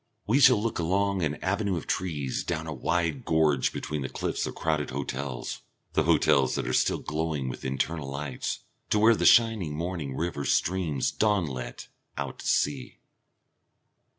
We shall look along an avenue of trees, down a wide gorge between the cliffs of crowded hotels, the hotels that are still glowing with internal lights, to where the shining morning river streams dawnlit out to sea.